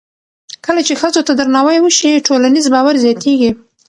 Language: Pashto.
کله چې ښځو ته درناوی وشي، ټولنیز باور زیاتېږي.